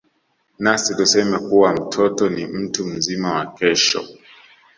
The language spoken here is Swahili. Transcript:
Nasi tuseme kuwa mtoto ni mtu mzima wa Kesho.